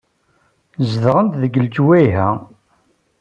Zedɣent deg lejwayeh-a.